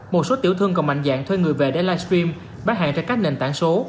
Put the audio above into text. một số tiểu thương còn mạnh dạng thuê người về để livestream bán hàng trên các nền tảng số